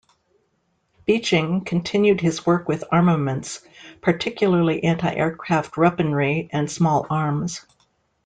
Beeching continued his work with armaments, particularly anti-aircraft weaponry and small arms.